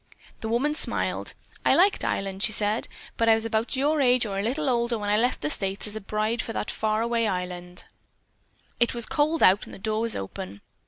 The woman smiled. "I liked Ireland," she said. "I was about your age or a little older when I left the States as a bride for that far away island." It was cold out and the door was open.